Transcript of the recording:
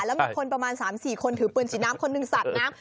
แล้วมีคนประมาณ๓๔คนถือปืนสีน้ำคนหนึ่งสาดน้ำ